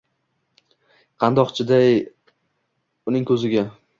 Qandoq chizay uning ko’ziga